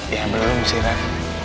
ya belum sih ref